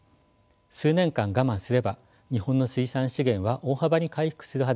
数年間我慢すれば日本の水産資源は大幅に回復するはずです。